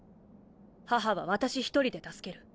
母は私１人で助ける。